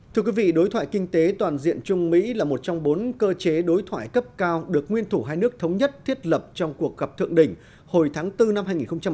thưa quý vị đối thoại kinh tế toàn diện trung mỹ là một trong bốn cơ chế đối thoại cấp cao được nguyên thủ hai nước thống nhất thiết lập trong cuộc gặp thượng đỉnh hồi tháng bốn năm hai nghìn một mươi ba